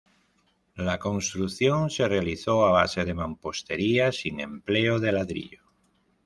La construcción se realizó a base de mampostería sin empleo de ladrillo.